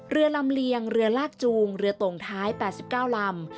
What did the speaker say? เรือลำเลี่ยงเรือลากจูงุ่มลำเจ้าเนินต่งท้าย๘๐กลางลำ